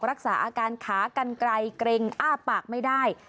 รักษาอาการขากันไกลเกร็งอ้าปากไม่ได้